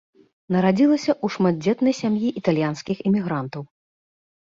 Нарадзілася ў шматдзетнай сям'і італьянскіх імігрантаў.